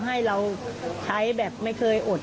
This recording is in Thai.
ให้เราใช้แบบไม่เคยอด